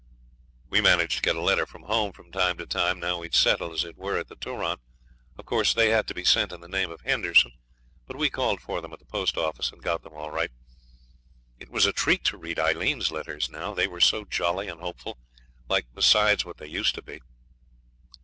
We managed to get a letter from home from time to time now we'd settled, as it were, at the Turon. Of course they had to be sent in the name of Henderson, but we called for them at the post office, and got them all right. It was a treat to read Aileen's letters now. They were so jolly and hopeful like besides what they used to be.